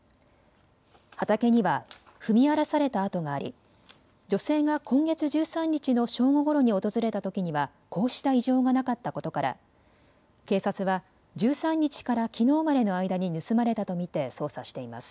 畑には踏み荒らされた跡があり女性が今月１３日の正午ごろに訪れたときにはこうした異常がなかったことから警察は１３日からきのうまでの間に盗まれたと見て捜査しています。